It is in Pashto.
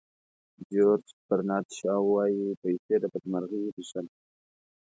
جیورج برنارد شاو وایي پیسې د بدمرغۍ ریښه ده.